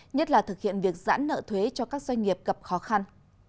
nhất là thực hiện việc giãn nợ thuế cho các doanh nghiệp gặp khó khăn